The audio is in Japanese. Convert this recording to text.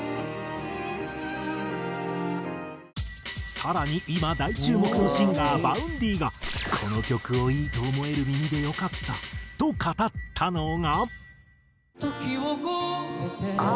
更に今大注目のシンガーＶａｕｎｄｙが「この曲をいいと思える耳でよかった」と語ったのが。